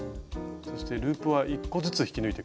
そしてループは１個ずつ引き抜いていくんですね。